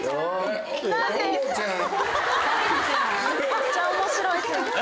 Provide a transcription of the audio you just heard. めっちゃ面白い先生。